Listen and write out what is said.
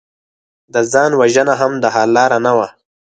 د ځان وژنه هم د حل لاره نه وه